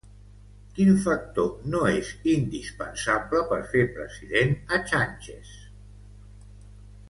Quin factor no és indispensable per fer president a Sánchez?